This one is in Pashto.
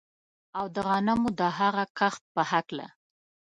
او د غنمو د هغه کښت په هکله